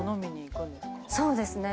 そうですね。